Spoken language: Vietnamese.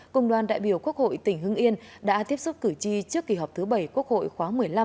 cùng đoàn đại biểu quốc hội tỉnh hưng yên đã tiếp xúc cử tri trước kỳ họp thứ bảy quốc hội khóa một mươi năm